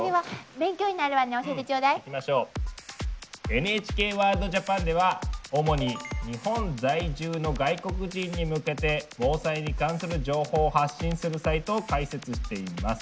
「ＮＨＫＷＯＲＬＤＪＡＰＡＮ」では主に日本在住の外国人に向けて防災に関する情報を発信するサイトを開設しています。